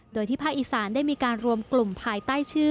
โดยที่ภาคอีสานได้มีการรวมกลุ่มภายใต้ชื่อ